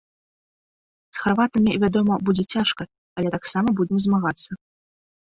З харватамі, вядома, будзе цяжка, але таксама будзем змагацца.